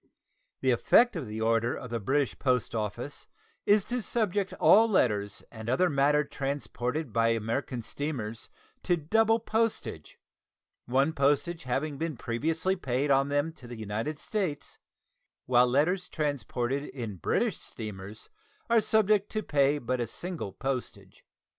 The effect of the order of the British, post office is to subject all letters and other matter transported by American steamers to double postage, one postage having been previously paid on them to the United States, while letters transported in British steamers are subject to pay but a single postage.